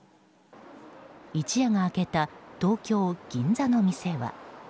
一夜が明けた東京・銀座の店は。